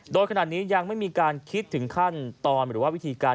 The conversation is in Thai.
โดยขนาดนี้ยังไม่มีการคิดถึงขั้นตอนหรือว่าวิธีการ